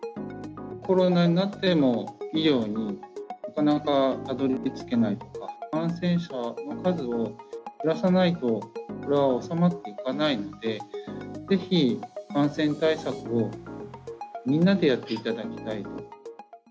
コロナになっても、医療になかなかたどりつけないとか、感染者の数を減らさないと、これは収まっていかないので、ぜひ感染対策をみんなでやっていただきたい。